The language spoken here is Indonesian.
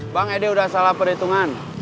bang edy udah salah perhitungan